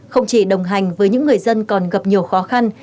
không chỉ đồng hành với những người dân còn gặp nhiều khó khăn